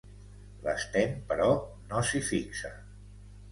L'Sten, però, no s'hi fixa.